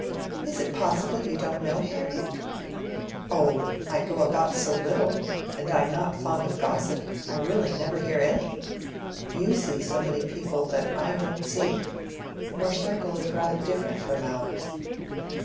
"Is it possible you don't know, Harriet?" "Oh, I go about so little; and I am not fond of gossip; I really never hear any. You see so many people that I don't see. Your circle is rather different from ours."